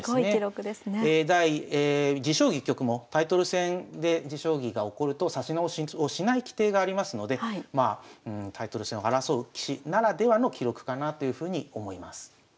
持将棋局もタイトル戦で持将棋が起こると指し直しをしない規定がありますのでタイトル戦を争う棋士ならではの記録かなというふうに思います。